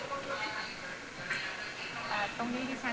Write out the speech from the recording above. วันนี้เราจะพนกลับมากัน